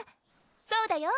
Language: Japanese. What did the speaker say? そうだよ